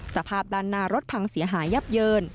สภาพด้านหน้ารถพังเสียหายยับเยิน